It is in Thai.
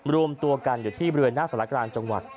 นะฮะรวมตัวกันอยู่ที่เบือนหน้าสารกรานจังหวัด